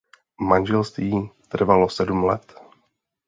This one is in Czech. Manželství trvalo sedm let.